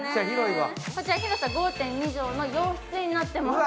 こちら、広さ５．２畳の洋室になっています。